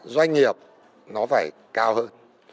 doanh nghiệp nó phải cao hơn